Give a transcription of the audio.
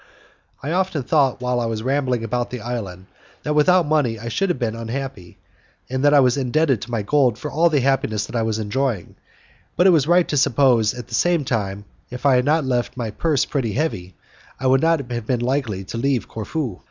I often thought while I was rambling about the island, that without money I should have been unhappy, and that I was indebted to my gold for all the happiness I was enjoying; but it was right to suppose at the same time that, if I had not felt my purse pretty heavy, I would not have been likely to leave Corfu.